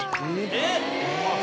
えっ！